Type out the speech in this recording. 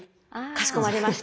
かしこまりました！